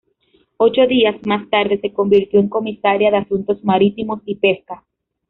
Ocho días más tarde, se convirtió en comisaria de Asuntos Marítimos y Pesca.